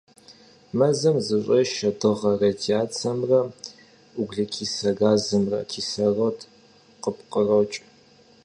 Мэзым зыщӀешэ дыгъэ радиацэмрэ углекислэ газымрэ, кислород къыпкърокӀ.